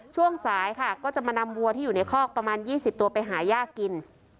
ช่วงสายค่ะก็จะมานำวัวที่อยู่ในคอกประมาณ๒๐ตัวไปหาย่ากิน